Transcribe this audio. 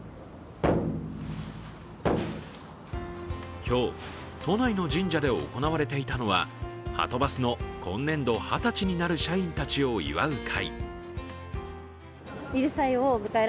今日、都内の神社で行われていたのははとバスの今年度二十歳になる社員たちを祝う会。